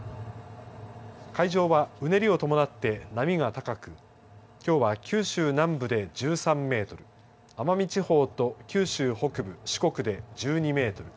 海上はうねりを伴って波が高くきょうは九州南部で１３メートル奄美地方と九州北部四国で１２メートル